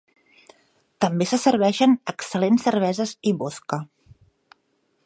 També se serveixen excel·lents cerveses i vodka.